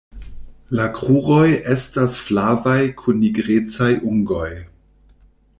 La kruroj estas flavaj kun nigrecaj ungoj.